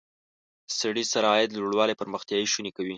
د سړي سر عاید لوړوالی پرمختیا شونې کوي.